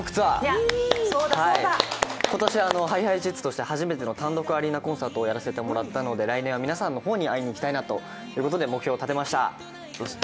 今年、ＨｉＨｉＪｅｔｓとして初めての単独アリーナツアーをやらせていただいたので来年は皆さんの方に会いにいきたいなと思って目標を立てました。